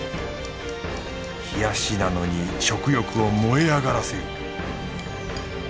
冷やしなのに食欲を燃え上がらせる